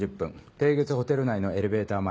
帝月ホテル内のエレベーター前。